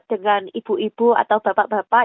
dengan ibu ibu atau bapak bapak